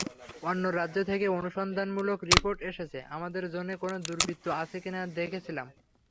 অন্য রাজ্য থেকে অনুসন্ধানমূলক রিপোর্ট এসেছে, আমাদের জোনে কোনো দুর্বৃত্ত আছে কি-না দেখছিলাম।